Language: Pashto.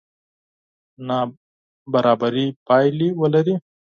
نابرابرې پایلې ولري.